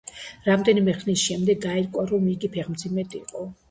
რამდენიმე ხნის შემდეგ გაირკვა, რომ იგი ფეხმძიმედ იყო.